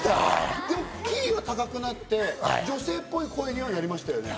キーは高くなって、女性っぽい声にはなりましたね。